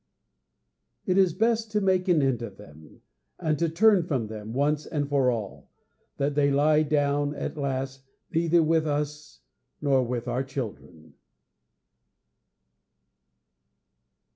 _' It is best to make an end of them, and to turn from them, once and for all, that they lie down at last neither with us nor with our children.